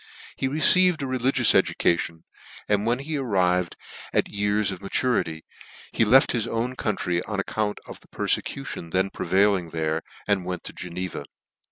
He received a reli gious education ; and when he arrived at years of maturity, he left his own country on account of the perfecution then prevailing there, and went to Geneva.